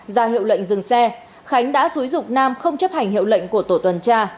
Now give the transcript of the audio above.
ra hiệu lệnh dừng xe khánh đã xúi dục nam không chấp hành hiệu lệnh của tổ tuần tra